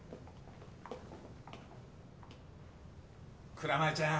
蔵前ちゃん